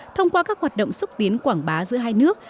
thông qua các hoạt động xúc tiến quảng bá giữa hai nước